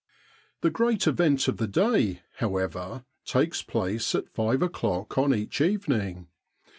The great event of the day, however, takes place at five o'clock on each evening.